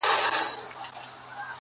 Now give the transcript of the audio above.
د امیدونو ساحل!!